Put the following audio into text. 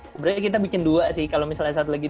sebenarnya kita bikin dua sih kalau misalnya satu lagi